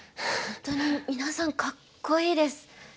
本当に皆さんかっこいいです！